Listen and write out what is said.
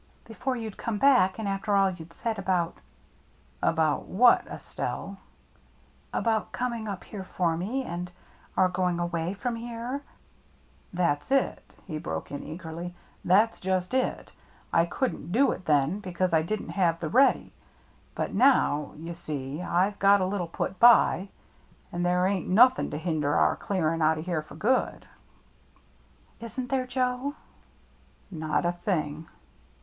Before you'd come back, and after all you'd said about —" "About what, Estelle?" " About coming up here for me — and our going away from here —"" That's it," he broke in eagerly —" that's just it. I couldn't do it then because I didn't have the ready. But now, you see, I've got a little put by, and there ain't nothing to hinder our clearing out o' here for good." " Isn't there, Joe ?"" Not a thing."